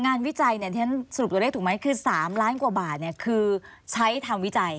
งานวิจัยสรุปตัวเลขถูกไหมคือ๓ล้านกว่าบาทคือใช้ทำวิจัย